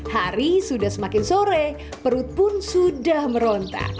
hari sudah semakin sore perut pun sudah merontak